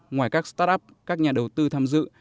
ngoài các startup các nhà đầu tư tham dự